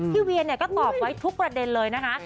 พี่เวียเนี่ยก็ตอบไว้ทุกประเด็นเลยนะฮะ